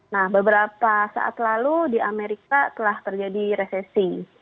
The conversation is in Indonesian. nah beberapa saat lalu di amerika telah terjadi resesi